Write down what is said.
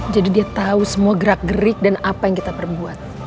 jadi dia tahu semua gerak gerik dan apa yang kita perbuat